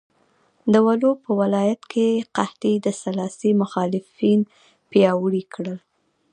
د ولو په ولایت کې قحطۍ د سلاسي مخالفین پیاوړي کړل.